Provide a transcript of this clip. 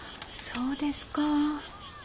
そうですか。